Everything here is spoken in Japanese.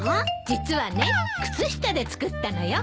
実はね靴下で作ったのよ。